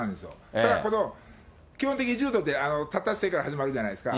だからこの、基本的に柔道って立った姿勢から始まるじゃないですか、